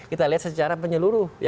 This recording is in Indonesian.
kita lihat secara penyeluruh